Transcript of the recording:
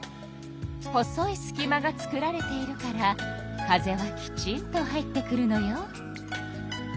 細いすき間が作られているから風はきちんと入ってくるのよ。